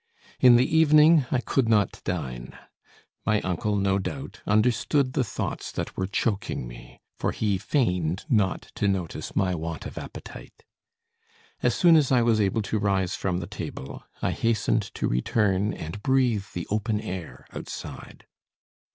In the evening I could not dine. My uncle, no doubt, understood the thoughts that were choking me, for he feigned not to notice my want of appetite. As soon as I was able to rise from table, I hastened to return and breathe the open air outside.